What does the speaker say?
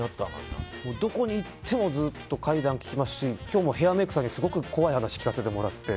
どこに行ってもずっと怪談を聞きますし今日もヘアメイクさんにすごく怖い話を聞かせてもらって。